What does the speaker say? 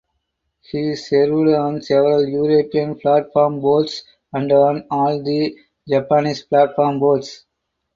He served on several European platform boards and on all the Japanese platform boards.